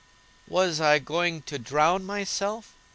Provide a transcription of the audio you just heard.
] "Was I going to drown myself?"